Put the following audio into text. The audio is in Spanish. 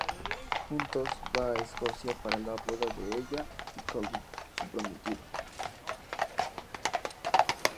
Juntos va a Escocia para la boda de ella con Colin, su prometido.